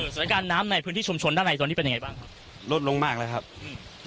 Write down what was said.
สถานการณ์น้ำในพื้นที่ชุมชนด้านในตอนนี้เป็นยังไงบ้างครับลดลงมากแล้วครับอืม